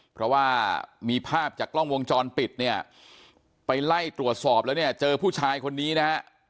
เพราะว่ามีภาพจากกล้องวงจรปิดเนี่ยไปไล่ตรวจสอบแล้วเนี่ยเจอผู้ชายคนนี้นะฮะ